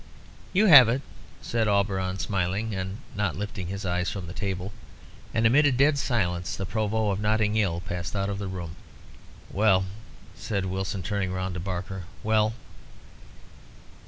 "You have it," said Auberon, smiling, but not lifting his eyes from the table. And amid a dead silence the Provost of Notting Hill passed out of the room. "Well?" said Wilson, turning round to Barker "well?"